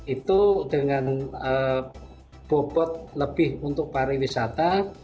itu dengan bobot lebih untuk para wisata